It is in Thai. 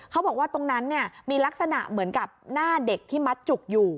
เขาบอกว่าตรงนั้นมีลักษณะเหมือนกับหน้าเด็กที่มัดจุกอยู่